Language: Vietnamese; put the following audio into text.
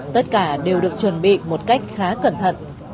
tất cả đều được chuẩn bị một cách khá cẩn thận